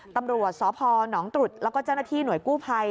ตำรวจสพหนองตรุษแล้วก็เจ้าหน้าที่หน่วยกู้ภัย